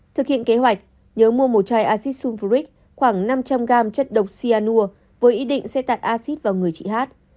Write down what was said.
thực hiện kế hoạch nhớ mua một chai acid sulfuric khoảng năm trăm linh g chất độc cyanur với ý định sẽ tạt acid vào người chị hát